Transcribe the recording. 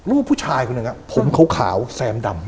ที่เขาอาจจะรู้เท่าไม่ถึงการของลุงนะในตัวนี้เสร็จใช่ไหม